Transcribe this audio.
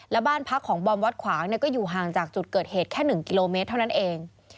และบ้านพักของบอมวัดขวางก็อยู่ห่างจากจุดเกิดเหตุแค่๑กิโลเมตรเท่านั้นเอง